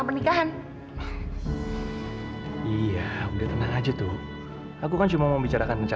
berhasil untuk hasil melawan rena